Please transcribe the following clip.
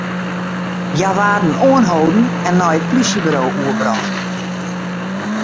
Hja waarden oanholden en nei it polysjeburo oerbrocht.